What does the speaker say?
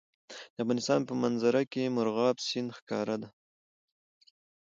د افغانستان په منظره کې مورغاب سیند ښکاره ده.